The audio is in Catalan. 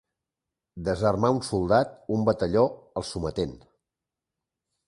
Desarmar un soldat, un batalló, el sometent.